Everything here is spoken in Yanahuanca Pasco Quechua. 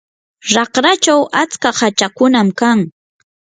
raqrachaw atska hachakunam kan.